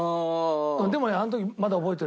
でもねあの時まだ覚えてる。